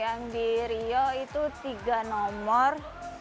yang di rio itu tiga nomor